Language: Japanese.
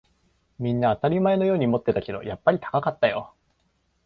みんな当たり前のように持ってたけど、やっぱり高かったよ